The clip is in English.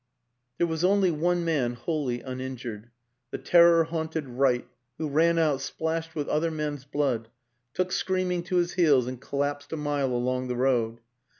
There was only one man wholly uninjured the terror haunted Wright, who ran out, splashed with other men's blood, took screaming to his heels and collapsed a mile along the road.